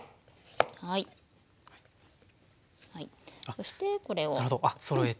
そしてこれをそろえて。